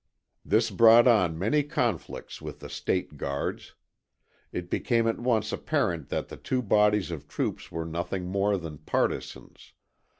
This brought on many conflicts with the State Guards. It became at once apparent that the two bodies of troops were nothing more than partisans.